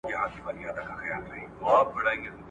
پر لکړه مي وروستی نفس دروړمه `